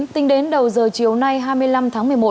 tính đến đầu giờ chiều nay hai mươi năm tháng một mươi một